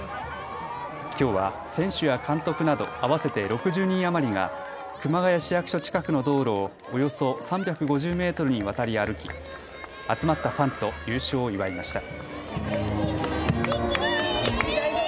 きょうは選手や監督など合わせて６０人余りが熊谷市役所近くの道路をおよそ３５０メートルにわたり歩き集まったファンと優勝を祝いました。